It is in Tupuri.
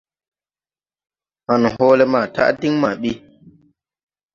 Han hoole maa taʼ din maa bi.